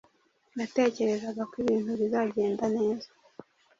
natekerezaga ko ibintu bizagenda neza